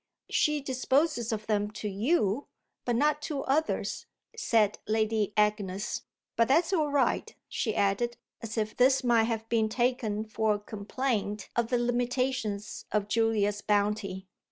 "She disposes of them to you, but not to others," said Lady Agnes. "But that's all right," she added, as if this might have been taken for a complaint of the limitations of Julia's bounty.